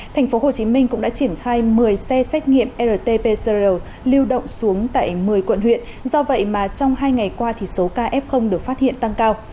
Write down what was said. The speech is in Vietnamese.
thành phố hồ chí minh cũng đã triển khai một mươi xe xét nghiệm rt pcr liêu động xuống tại một mươi quận huyện do vậy mà trong hai ngày qua thì số kf được phát hiện tăng cao